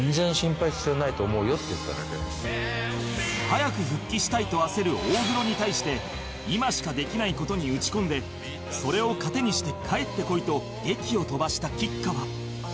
早く復帰したいと焦る大黒に対して今しかできない事に打ち込んでそれを糧にして帰ってこい！と檄を飛ばした吉川